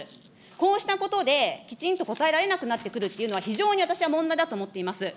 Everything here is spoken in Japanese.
こうしたことで、きちんと答えられなくなってくるというのは非常に私は問題だと思っています。